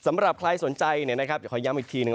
สำหรับใครสนใจอย่าคอยย้ำอีกทีหนึ่ง